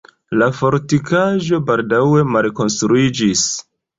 La fortikaĵo baldaŭe malkonstruiĝis.